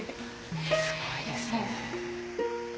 すごいですね。